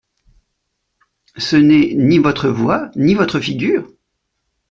Ce n'est ni votre voix ni votre figure.